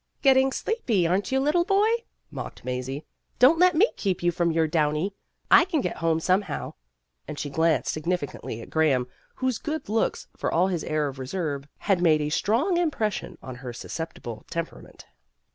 "Getting sleepy aren't you, little boy?" mocked Mazie. "Don't let me keep you from your downy. I can get home somehow," and she glanced significantly at Graham, whose good looks, for all his air of reserve, had made a strong impression on her susceptible tempera ment.